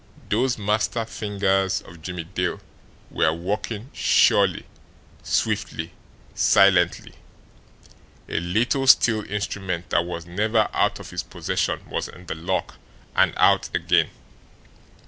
Those master fingers of Jimmie Dale were working surely, swiftly, silently. A little steel instrument that was never out of his possession was in the lock and out again.